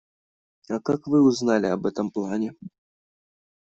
А как вы узнали об этом плане?